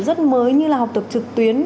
rất mới như là học tập trực tuyến